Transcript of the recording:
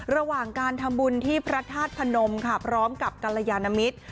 ระหว่างการทำบุญที่พระธาตุพนมค่ะพร้อมกับกัลยานมิตร